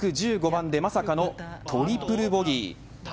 １５番で、まさかのトリプルボギー。